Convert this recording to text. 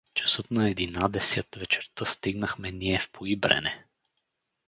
Часът на единадесят вечерта стигнахме ние в Поибрене.